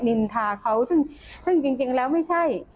นินทาเขาซึ่งจริงแล้วไม่ใช่